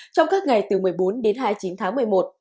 trong các ngày từ một mươi bốn đến hai mươi chín tháng một mươi một